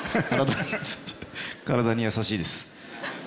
体に優しいです。